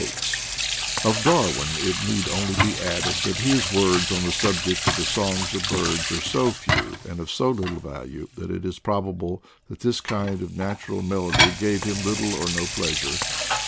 152 IDLE DATS IN PATAGONIA Of Darwin it need only be added that his words on the subject of the songs of birds are so few and of so little value that it is probable that this kind of natural melody gave him little or no pleasure.